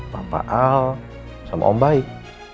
papa al sama om baik